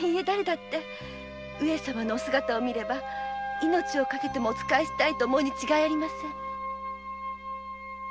だれだって上様のお姿を見れば命を賭けてもお仕えしたいと思うに違いありません。